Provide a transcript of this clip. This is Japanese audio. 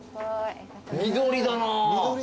緑だな。